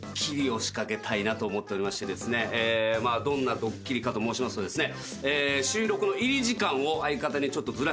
どんなドッキリかと申しますとですね。